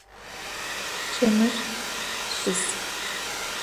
Çemır şıs.